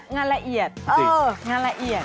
รายละเอียดงานละเอียด